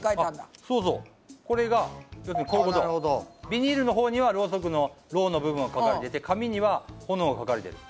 ビニールのほうにはろうそくのろうの部分が描かれてて紙には炎が描かれてる。